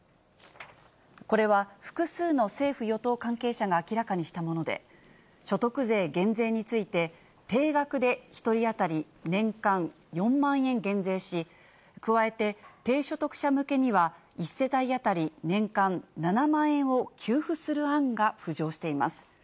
これは複数の政府・与党関係者が明らかにしたもので、所得税減税について、定額で１人当たり年間４万円減税し、加えて低所得者向けには１世帯当たり年間７万円を給付する案が浮上しています。